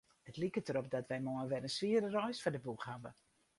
It liket derop dat wy moarn wer in swiere reis foar de boech hawwe.